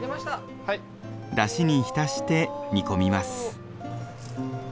だしに浸して煮込みます。